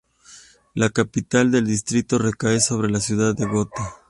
La capital del distrito recae sobre la ciudad de Gotha.